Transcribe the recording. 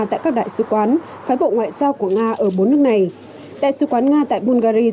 tại các đại sứ quán phái bộ ngoại giao của nga ở bốn nước này đại sứ quán nga tại bungary